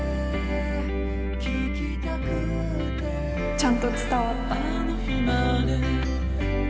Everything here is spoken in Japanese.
ちゃんと伝わった。